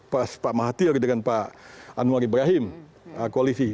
pas pak mahathir dengan pak anwar ibrahim koalisi